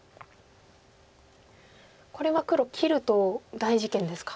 これは黒切ると大事件ですか。